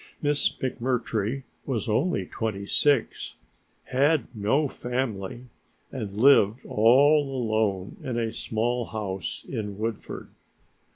Miss McMurtry was only twenty six, had no family and lived all alone in a small house in Woodford.